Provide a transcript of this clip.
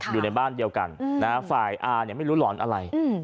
อยู่ในบ้านเดียวกันฝ่ายอาเนี่ยไม่รู้หลอนอะไร